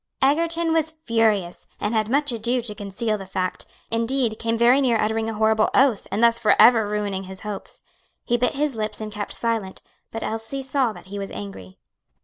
Egerton was furious, and had much ado to conceal the fact; indeed, came very near uttering a horrible oath, and thus forever ruining his hopes. He bit his lips and kept silent, but Elsie saw that he was angry.